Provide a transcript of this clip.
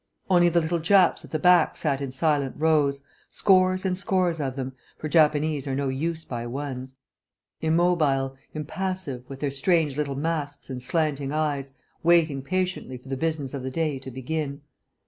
Only the little Japs at the back sat in silent rows, scores and scores of them (for Japanese are no use by ones), immobile, impassive, with their strange little masks and slanting eyes, waiting patiently for the business of the day to begin.